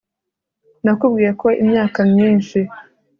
nakubwiye ko imyaka myinshi